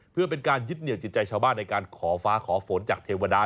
เพื่อเป็นการยึดเหนียวจิตใจชาวบ้านในการขอฟ้าขอฝนจากเทวดา